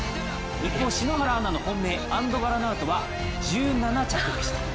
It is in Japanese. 一方、篠原アナの本命、アンドヴァラナウトは１７着でした。